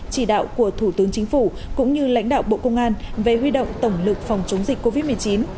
chỉ đạo của thủ tướng chính phủ cũng như lãnh đạo bộ công an về huy động tổng lực phòng chống dịch covid một mươi chín